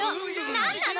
なんなの？